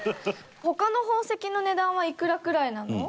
他の宝石の値段はいくらくらいなの？